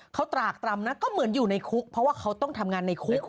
เขาตรากตรำนะก็เหมือนอยู่ในคุกเพราะว่าเขาต้องทำงานในคุก